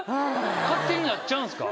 勝手になっちゃうんですか？